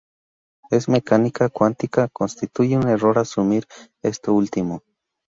En mecánica cuántica, constituye un error asumir esto último.